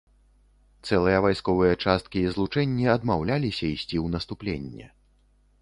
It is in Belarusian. Цэлыя вайсковыя часткі і злучэнні адмаўляліся ісці ў наступленне.